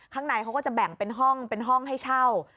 ข้างในเขาก็จะแบ่งเป็นห้องเป็นห้องให้เช่า